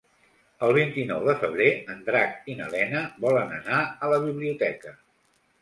El vint-i-nou de febrer en Drac i na Lena volen anar a la biblioteca.